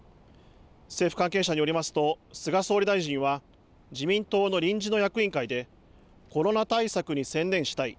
政府関係者によりますと菅総理大臣は自民党の臨時の役員会でコロナ対策に専念したい。